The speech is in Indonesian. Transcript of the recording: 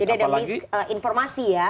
jadi ada risk informasi ya